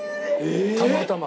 たまたま。